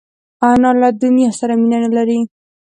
انا له دنیا سره مینه نه لري